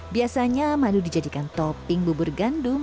biasanya madu dijadikan topping bubur gandum